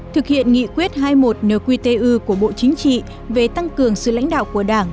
thực hiện nghị quyết hai mươi một nqtu của bộ chính trị về tăng cường sự lãnh đạo của đảng